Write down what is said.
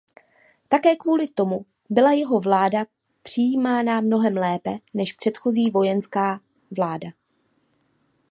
Také kvůli tomu byla jeho vláda přijímána mnohem lépe než předchozí vojenská vláda.